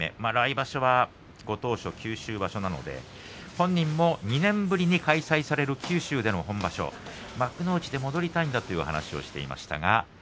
ご当所九州場所なので本人も１年ぶりに開催される九州での本場所、幕内で相撲を取りたいんだという話をしていました。